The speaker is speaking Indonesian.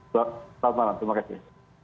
selamat malam terima kasih